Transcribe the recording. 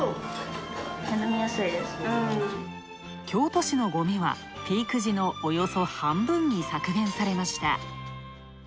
京都市のごみは、ピーク時のおよそ半分に削減されました。